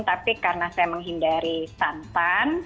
tapi karena saya menghindari santan